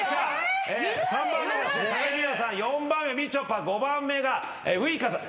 ４番目みちょぱ５番目がウイカさん。